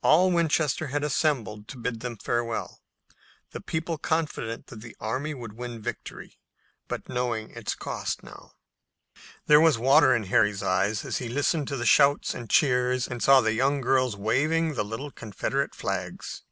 All Winchester had assembled to bid them farewell, the people confident that the army would win victory, but knowing its cost now. There was water in Harry's eyes as he listened to the shouts and cheers and saw the young girls waving the little Confederate flags.